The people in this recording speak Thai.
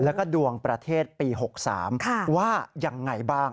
แล้วก็ดวงประเทศปี๖๓ว่ายังไงบ้าง